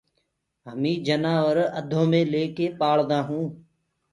همي جنآور اڌو مي ليڪي پآݪدآئونٚ